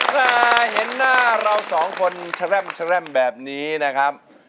แต่เห็นหน้าเราสองคนแชร่มแร่มแบบนี้นะครับ